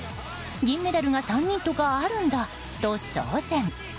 銀メダルが３人とかあるんだと騒然。